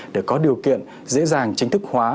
để có điều kiện dễ dàng chính thức hóa